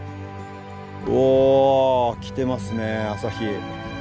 お来てますね朝日。